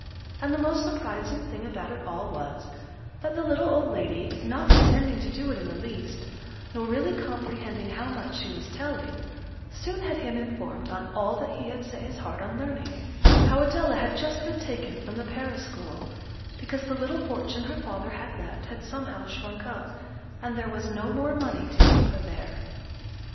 And the most surprising thing about it all was, that the little old lady, not intending to do it in the least, nor really comprehending how much she was telling, soon had him informed on all that he had set his heart on learning how Adela had just been taken from the Paris school, because the little fortune her father had left, had somehow shrunk up, and there was no more money to keep her there.